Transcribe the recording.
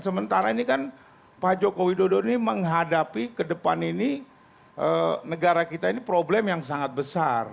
sementara ini kan pak joko widodo ini menghadapi ke depan ini negara kita ini problem yang sangat besar